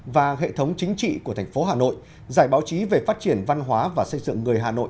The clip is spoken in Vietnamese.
và hệ thống chính trị của thành phố hà nội giải báo chí về phát triển văn hóa và xây dựng người hà nội